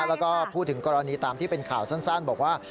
แล้วก็พูดถึงกรณีตามที่เป็นข่าวสั้นบอกว่า